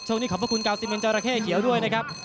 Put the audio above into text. ช่วงนี้ขอบพระคุณเก่าสิบหมื่นเจ้าระเข้เขียวด้วยนะครับ